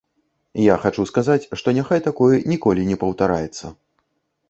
Я хачу сказаць, што няхай такое ніколі не паўтараецца.